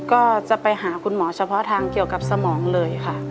ก็จะไปหาคุณหมอเฉพาะทางเกี่ยวกับสมองเลยค่ะ